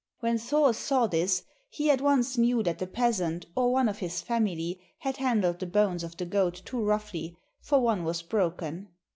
When Thor saw this he at once knew that the peasant or one of his family had handled the bones of the goat too roughly, for one was broken.